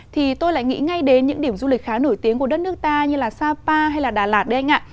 thì tôi lại nghĩ ngay đến những điểm du lịch khá nổi tiếng của đất nước ta như là sapa hay là đà lạt đấy anh ạ